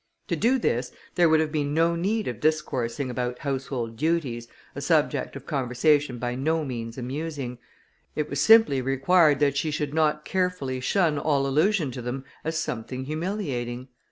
To do this, there would have been no need of discoursing about household duties, a subject of conversation by no means amusing; it was simply required that she should not carefully shun all allusion to them as something humiliating.